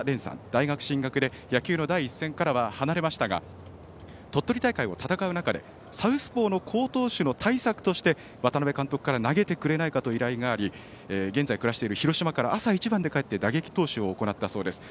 大学進学で野球の第一線からは離れましたが鳥取大会を戦う中でサウスポーの好投手の対策として渡辺監督から投げてくれないかと依頼があり、現在暮らしている広島から朝一番で帰って打撃練習を行ったそうです。